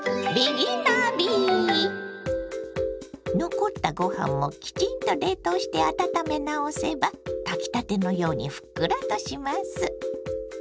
残ったご飯もきちんと冷凍して温め直せば炊きたてのようにふっくらとします。